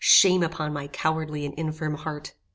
Shame upon my cowardly and infirm heart!